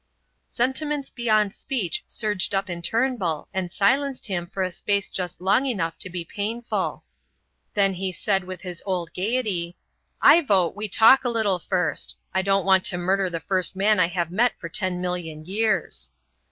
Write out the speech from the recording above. Sentiments beyond speech surged up in Turnbull and silenced him for a space just long enough to be painful. Then he said with his old gaiety: "I vote we talk a little first; I don't want to murder the first man I have met for ten million years."